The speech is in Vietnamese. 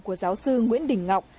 của giáo sư nguyễn đình ngọc